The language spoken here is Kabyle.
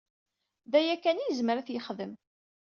D aya kan i yezmer ad t-yexdem.